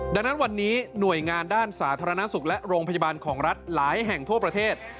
ดังนั้นวันนี้หน่วยงานด้านสาธารณสุขและโรงพยาบาลของรัฐหลายแห่งทั่วประเทศ